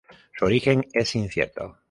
Su origen es incierto.